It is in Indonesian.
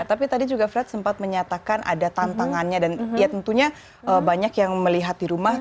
tapi tadi juga flat sempat menyatakan ada tantangannya dan ya tentunya banyak yang melihat di rumah